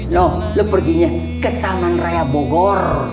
nih ibu pergi ke taman raya bogor